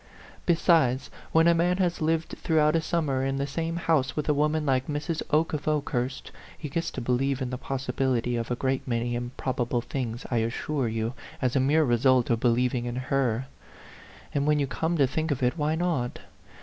Besides, when a man has lived throughout a summer in the same house with a woman like Mrs. Oke of Okehurst, he gets to believe in the possibility of a great many improbable things, I assure you, as a mere result of be lieving in her. And when you come to think of it, why not?